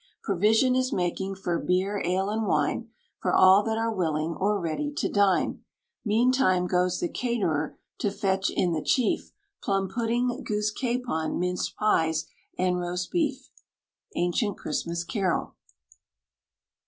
Provision is making for beer, ale, and wine, For all that are willing or ready to dine. Meantime goes the caterer to fetch in the chief, Plum pudding, goose, capon, minced pies, and roast beef. ANCIENT CHRISTMAS CAROL.